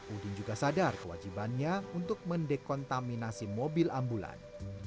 udin juga sadar kewajibannya untuk mendekontaminasi mobil ambulan